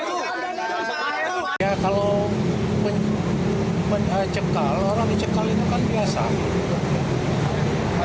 orang dicekal itu kan biasa